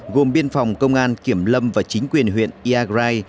gồm biên phòng công an kiểm lâm và chính quyền huyện iagrai